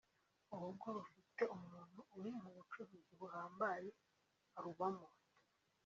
Urugo rufite umuntu uri mu bucuruzi buhambaye arubamo